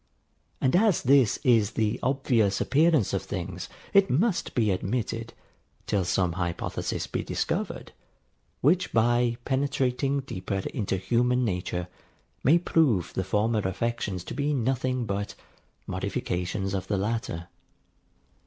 And as this is the obvious appearance of things, it must be admitted, till some hypothesis be discovered, which by penetrating deeper into human nature, may prove the former affections to be nothing but modifications of the latter.